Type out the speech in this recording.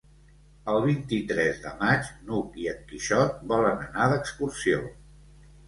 El vint-i-tres de maig n'Hug i en Quixot volen anar d'excursió.